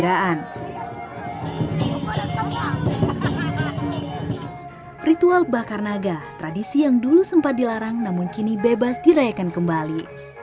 ritual bakar naga tradisi yang dulu sempat dilarang namun kini bebas dirayakan kembali